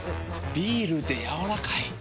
ビールでやわらかい。